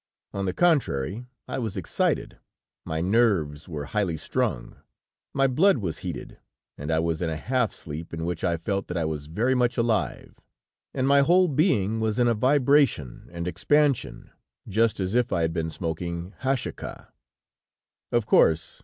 On the contrary, I was excited, my nerves were highly strung, my blood was heated, and I was in a half sleep in which I felt that I was very much alive, and my whole being was in a vibration and expansion, just as if I had been smoking hashecah. "Of course!